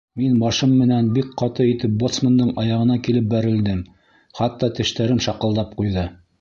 Мин башым менән бик ҡаты итеп боцмандың аяғына килеп бәрелдем, хатта тештәрем шаҡылдап ҡуйҙы.